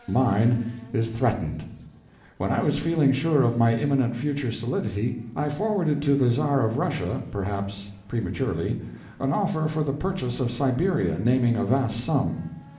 Mine is threatened. When I was feeling sure of my imminent future solidity, I forwarded to the Czar of Russia—perhaps prematurely—an offer for the purchase of Siberia, naming a vast sum.